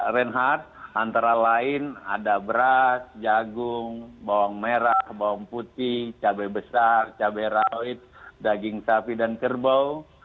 reinhardt antara lain ada beras jagung bawang merah bawang putih cabai besar cabai rawit daging sapi dan kerbau